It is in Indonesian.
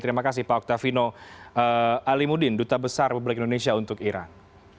terima kasih pak octavino alimudin duta besar republik indonesia untuk iran